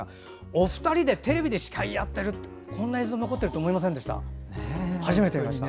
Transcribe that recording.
お二人でテレビで司会やっている映像残っていると思いませんでした。